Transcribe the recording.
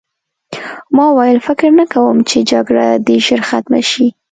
ما وویل فکر نه کوم چې جګړه دې ژر ختمه شي